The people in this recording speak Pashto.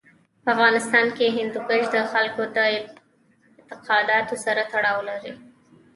په افغانستان کې هندوکش د خلکو د اعتقاداتو سره تړاو لري.